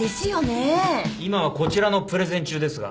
今はこちらのプレゼン中ですが。